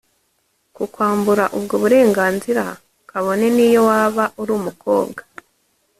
kukwambura ubwo burenganzira kabone n'iyo waba uri umukobwa